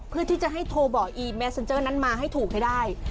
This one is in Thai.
เพื่อที่จะให้โทรบอกอีเมสเซ็นเจอร์นั้นมาให้ถูกให้ได้